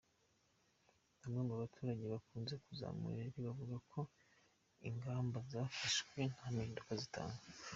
Bamwe mu baturage bakunze kuzamura ijwi bavuga ko ingamba zafashwe nta mpinduka zitanga.